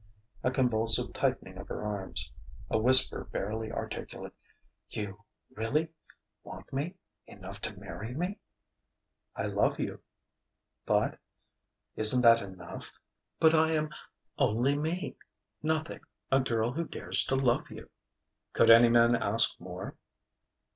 A convulsive tightening of her arms.... A whisper barely articulate: "You really ... want me ... enough to marry me?" "I love you." "But...." "Isn't that enough?" "But I am only me: nothing: a girl who dares to love you." "Could any man ask more?"